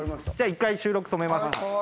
じゃあ１回収録止めます。